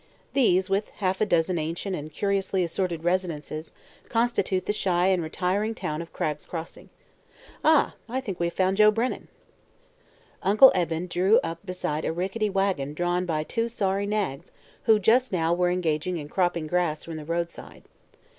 These, with half a dozen ancient and curiously assorted residences, constitute the shy and retiring town of Cragg's Crossing. Ah, think we have found Joe Brennan." Uncle Eben drew up beside a rickety wagon drawn by two sorry nags who just now were engaged in cropping grass from the roadside.